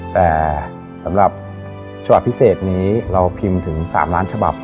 แต่สำหรับฉบับพิเศษนี้เราพิมพ์ถึง๓ล้านฉบับ